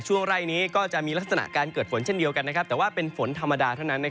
ไร่นี้ก็จะมีลักษณะการเกิดฝนเช่นเดียวกันแต่ว่าเป็นฝนธรรมดาเท่านั้น